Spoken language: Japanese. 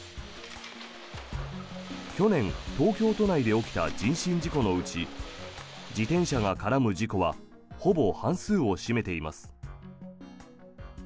去年、東京都内で起きた人身事故のうち自転車が絡む事故はほぼ半数を占めています。